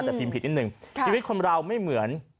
แต่พิมพ์ผิดนิดนึงชีวิตคนเราไม่เหมือน